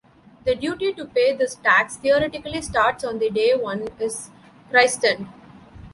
The duty to pay this tax theoretically starts on the day one is christened.